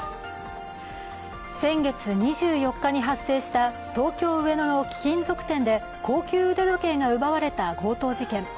先月２４日に発生した東京・上野の貴金属店で高級腕時計が奪われた強盗事件。